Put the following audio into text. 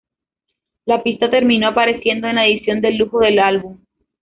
La pista terminó apareciendo en la edición de lujo del álbum.